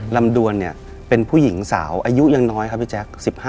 ลำดวนเนี่ยเป็นผู้หญิงสาวอายุยังน้อยครับพี่แจ๊ค๑๕